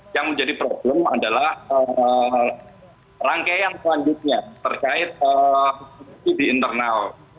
yang menjadi problem adalah rangkaian selanjutnya terkait di internal